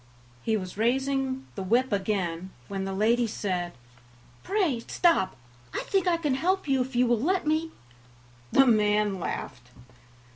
He was raising the whip again, when the lady said: "Pray, stop; I think I can help you if you will let me." The man laughed.